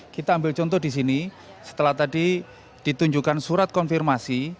kita ambil contoh di sini setelah tadi ditunjukkan surat konfirmasi